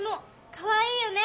かわいいよね！